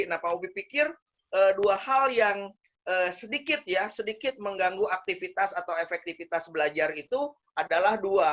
nah pak hobi pikir dua hal yang sedikit ya sedikit mengganggu aktivitas atau efektivitas belajar itu adalah dua